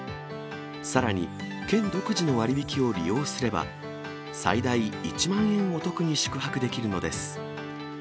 さらに県独自の割引を利用すれば、最大１万円お得に宿泊できるのです。